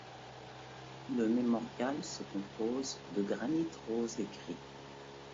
Le mémorial se compose de granit rose et gris.